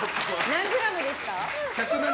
何グラムでした？